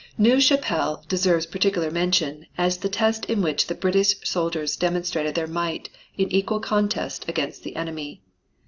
Neuve Chapelle deserves particular mention as the test in which the British soldiers demonstrated their might in equal contest against the enemy.